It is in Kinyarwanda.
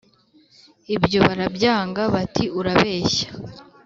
ibyo barabyanga bati : urabeshya